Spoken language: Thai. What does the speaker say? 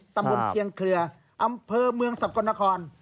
ตำบลเชียงเคลืออำเภอเมืองสกลนคร